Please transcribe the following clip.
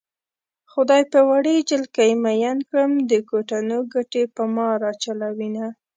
خدای په وړې جلکۍ مئين کړم د کوټنو ګټې په ما راچلوينه